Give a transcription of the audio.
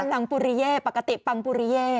ถูกแล้วประกาศปังอลังปุริเย่